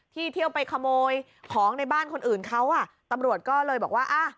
เที่ยวไปขโมยของในบ้านคนอื่นเขาอ่ะตำรวจก็เลยบอกว่าอ่ะ